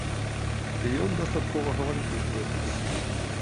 Ён дастаткова гаваркі хлопец.